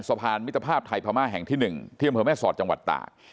สภารมิตภาพไทยพม่าแห่งที่หนึ่งที่เห็นเผื่อแม่ศอดจังหวัดตาก